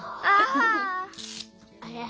ああ。